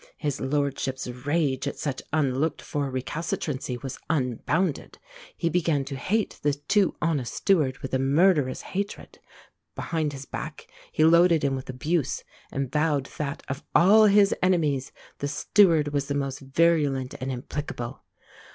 His lordship's rage at such unlooked for recalcitrancy was unbounded. He began to hate the too honest steward with a murderous hatred; behind his back he loaded him with abuse, and vowed that, of all his enemies, the steward was the most virulent and implicable.